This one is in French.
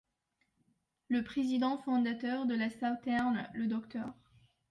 Le président fondateur de la Southern, le Dr.